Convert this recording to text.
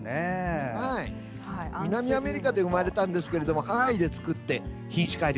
南アメリカで生まれたんですけどハワイで作って、品種改良。